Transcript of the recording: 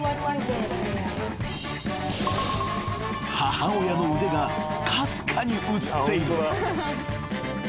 ［母親の腕がかすかに映っている］